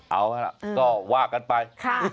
เอาล่ะก็ว่ากันไป